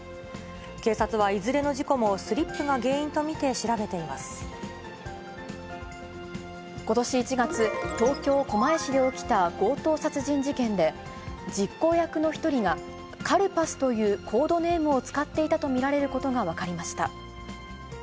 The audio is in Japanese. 警察は、いずれの事故もスリップことし１月、東京・狛江市で起きた強盗殺人事件で、実行役の１人が、カルパスというコードネームを使っていたと見られることが分かりました。